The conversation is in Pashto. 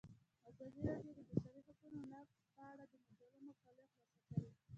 ازادي راډیو د د بشري حقونو نقض په اړه د مجلو مقالو خلاصه کړې.